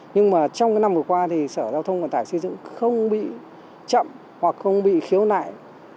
nhưng mà trong cái năm vừa qua thì sở giao thông vận tải xây dựng không bị chậm hoặc không bị khiếu nại